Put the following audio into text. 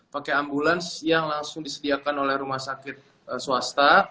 pakai ambulans yang langsung disediakan oleh rumah sakit swasta